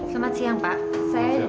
selamat siang pak saya